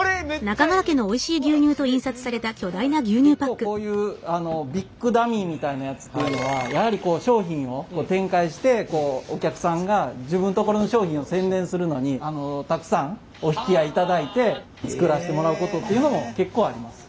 結構こういうビッグダミーみたいなやつっていうのはやはり商品を展開してお客さんが自分のところの商品を宣伝するのにたくさんお引き合いいただいて作らせてもらうことっていうのも結構あります。